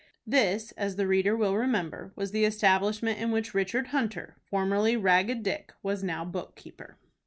This, as the reader will remember, was the establishment in which Richard Hunter, formerly Ragged Dick, was now book keeper.